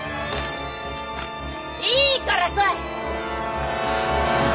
いいから来い！